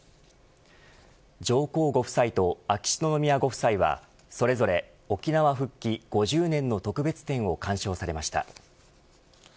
上皇ご夫妻と秋篠宮ご夫妻はそれぞれ沖縄復帰５０年の特別展を鑑賞されました。